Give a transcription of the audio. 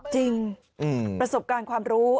จริงประสบการณ์ความรู้